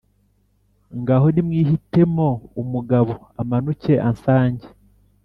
Ngaho nimwihitemo umugabo amanuke ansange.